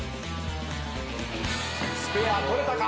スペア取れたか？